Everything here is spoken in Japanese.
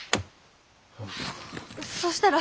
そしたら。